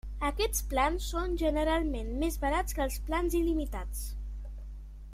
Aquests plans són generalment més barats que els plans il·limitats.